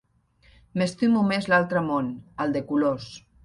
M'estimo més l'altre món, el de colors.